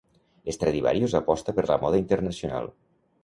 Stradivarius aposta per la moda internacional.